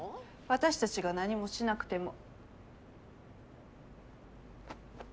私たちが何もしなくても。